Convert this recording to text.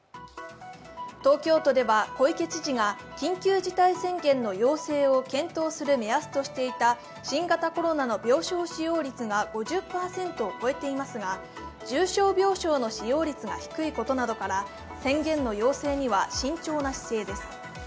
東京都では小池知事が緊急事態宣言の要請を検討する目安としていた新型コロナの病床使用率が５０％を超えていますが重症病床の使用率が低いことなどから宣言の要請には慎重な姿勢です。